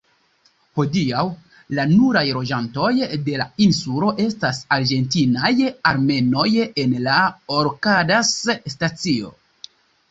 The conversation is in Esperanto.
Hodiaŭ la nuraj loĝantoj de la insulo estas argentinaj armeanoj en la Orcadas-stacio.